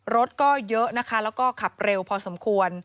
รถก็เยอะนะคะแล้วก็ขับเร็วพอสมควร